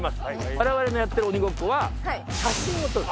我々のやってる鬼ごっこは写真を撮る。